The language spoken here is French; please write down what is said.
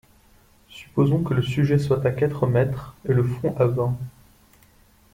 Supposons que le sujet soit à quatre mètres et le fond à vingt.